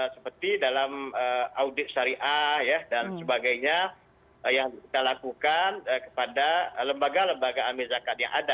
seperti dalam audit syariah dan sebagainya yang kita lakukan kepada lembaga lembaga amir zakat yang ada